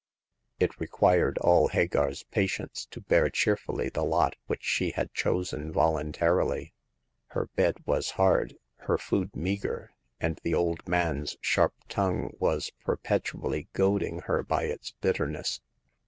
It required all Hagar's patience to bear cheer fully the lot which she had chosen voluntarily. The Coming of Hagar. 21 Her bed was hard, her food meager ; and the old man's sharp tongue was perpetually goading her by its bitterness.